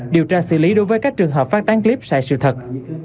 điều tra xử lý đối với các trường hợp phát tán clip sai sự thật